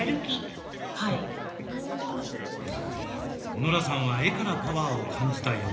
ノラさんは絵からパワーを感じた様子。